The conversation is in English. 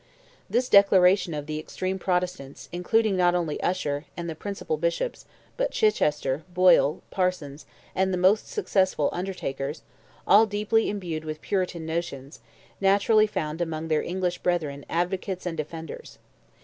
This declaration of the extreme Protestants, including not only Usher, and the principal Bishops, but Chichester, Boyle, Parsons, and the most successful "Undertakers," all deeply imbued with Puritan notions, naturally found among their English brethren advocates and defenders.